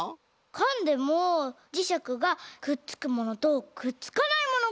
かんでもじしゃくがくっつくものとくっつかないものがあるんだ！